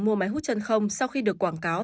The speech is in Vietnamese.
mua máy hút chân không sau khi được quảng cáo